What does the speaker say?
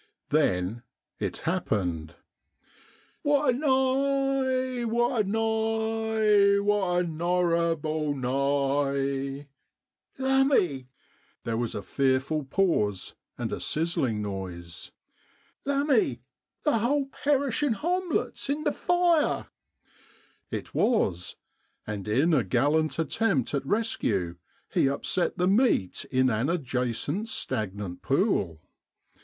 Then it happened. 11 What a neye, what a neye, what a norrible heye, lumme "— there was a fearful pause and a sizzling noise —" lumme, the whole perish ing homlette' s in the fire." It was ; and in a gallant attempt at rescue he upset the meat in an adjacent stagnant pool.